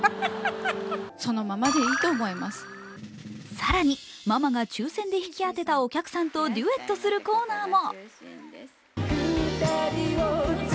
更に、ママが抽選で引き当てたお客さんとデュエットするコーナーも。